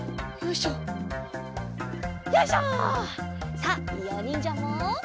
さあいおにんじゃも。